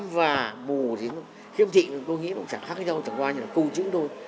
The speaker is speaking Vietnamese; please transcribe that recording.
và mù thì khiếm thị thì tôi nghĩ nó cũng chẳng khác nhau chẳng qua như là câu chữ thôi